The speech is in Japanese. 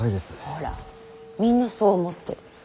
ほらみんなそう思ってる。